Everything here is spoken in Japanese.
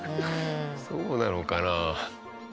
そうなのかな？